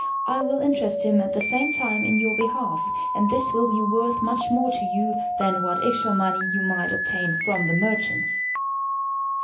I will interest him at the same time in your behalf, and this will be worth much more to you than what extra money you might obtain from the merchants."